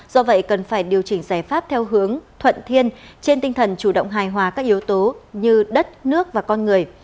do vậy cần phải điều chỉnh giải pháp theo hướng thuận thiên trên tinh thần chủ động hài hòa các yếu tố như đất nước và con người